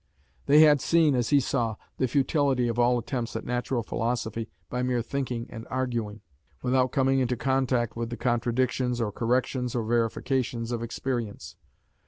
They had seen, as he saw, the futility of all attempts at natural philosophy by mere thinking and arguing, without coming into contact with the contradictions or corrections or verifications of experience.